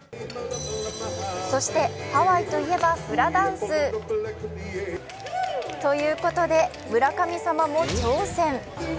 そしてハワイといえばフラダンス！ということで村神様も挑戦。